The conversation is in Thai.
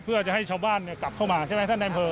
เพื่อจะให้ชาวบ้านกลับเข้ามาใช่ไหมท่านนายอำเภอ